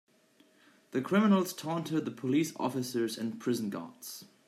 The criminals taunted the police officers and prison guards.